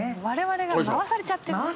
我々が回されちゃってる。